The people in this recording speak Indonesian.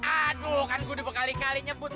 aduh kan gue dua kali kali nyebut